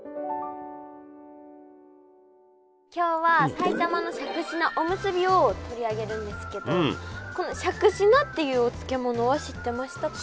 今日は埼玉のしゃくし菜おむすびを取り上げるんですけどこのしゃくし菜っていうお漬物は知ってましたか？